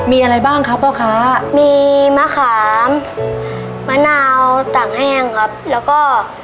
มีอะไรบ้างครับพ่อค้ามีมะขามมะนาวต่างแห้งครับแล้วก็